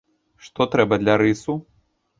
Што трэба для рысу?